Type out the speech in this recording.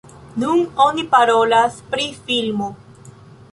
Nun oni parolas pri filmo.